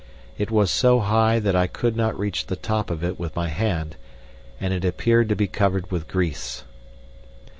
It was so high that I could not reach the top of it with my hand, and it appeared to be covered with grease.